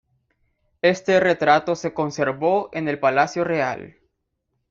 Este retrato se conservó en el palacio real.